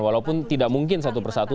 walaupun tidak mungkin satu persatu